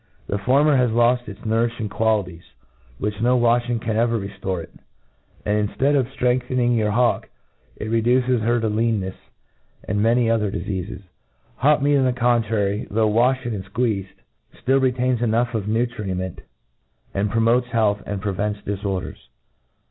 The former has loft its nourilhing quafities, which no wafhing can ever rcttorc to it j smci, mftead of ftrengthcning your bawk, it reduces her to leatinefs, and many other difeafes. Hot meat, on the contrary^ though wafhen and fqueezed, (lill retains enough of nutriment, and promotes healthy aiid prevents diforders.